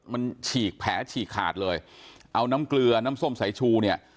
มันฉีกแผลฉีกขาดเลยเอาน้ำเกลือน้ำส้มสายชูเนี่ย